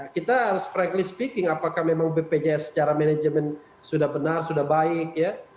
kita harus frankly speaking apakah memang bpjs secara management sudah benar sudah baik